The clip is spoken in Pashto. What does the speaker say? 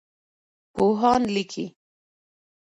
پوهان لیکي.